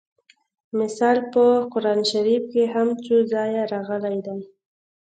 مثل په قران شریف کې هم څو ځایه راغلی دی